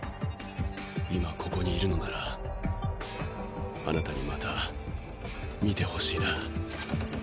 今ここにいるのならあなたにまた見てほしいな